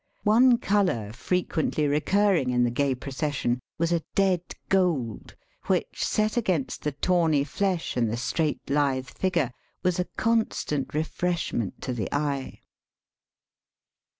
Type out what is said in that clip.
One colour frequently recurring in the gay procession was a dead gold, which, set against the tawny flesh and the straight, lithe figure, was a constant refreshment to the eye.